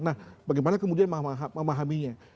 nah bagaimana kemudian memahaminya